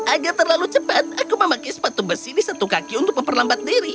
agak terlalu cepat aku memakai sepatu besi di satu kaki untuk memperlambat diri